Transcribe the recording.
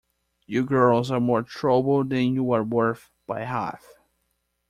You girls are more trouble than you're worth, by half.